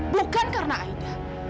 bukan karena aida